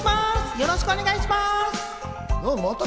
よろしくお願いします！